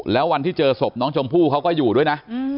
แล้ววันที่เจอศพน้องชมพู่เขาก็อยู่ด้วยนะ